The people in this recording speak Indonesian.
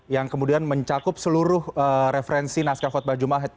yang kemudian mencakup seluruh referensi naskah kotbah jumat